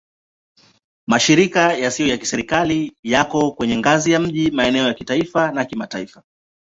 Mashirika yasiyo ya Kiserikali yako kwenye ngazi ya miji, maeneo, kitaifa na kimataifa.